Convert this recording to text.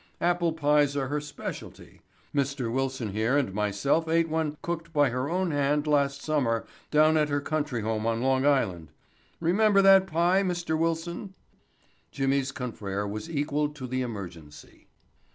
Apple pies are her specialty. Mr. Wilson here and myself ate one cooked by her own hand last summer down at her country home on Long Island. Remember that pie, Mr. Wilson?" Jimmy's confrere was equal to the emergency.